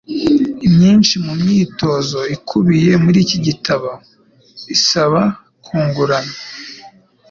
Imyinshi mu myitozo ikubiye muri iki gitabo isaba kungurana